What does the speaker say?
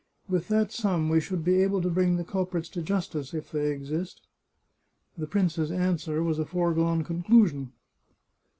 With that sum we should be able to bring the culprits to justice, if they exist." The prince's answer was a foregone conclusion.